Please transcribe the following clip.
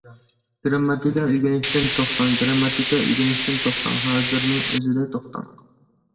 گىرامماتىكا ئۆگىنىشتىن توختاڭ گىرامماتىكا ئۆگىنىشتىن توختاڭ ھازىرنىڭ ئۆزىدىلا توختاڭ.